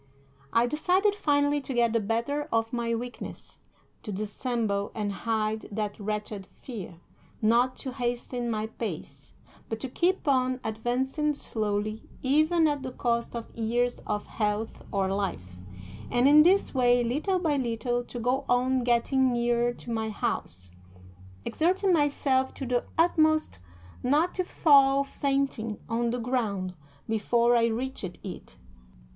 I decided, finally, to get the better of my weakness; to dissemble and hide that wretched fear; not to hasten my pace, but to keep on advancing slowly, even at the cost of years of health or life, and in this way, little by little, to go on getting nearer to my house, exerting myself to the utmost not to fall fainting on the ground before I reached it.